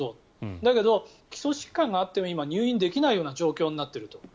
だけど基礎疾患があっても今、入院できないような状況になっていると。